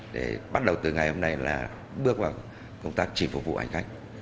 để bắt đầu từ ngày hôm nay là bước vào công tác chỉ phục vụ hành khách